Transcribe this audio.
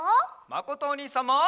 まことおにいさんも！